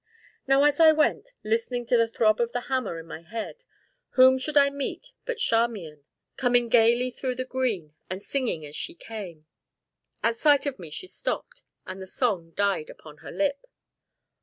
Now, as I went, listening to the throb of the hammer in my head, whom should I meet but Charmian, coming gayly through the green, and singing as she came. At sight of me she stopped, and the song died upon her lip.